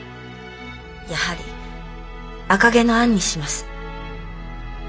やはり「赤毛のアン」にします。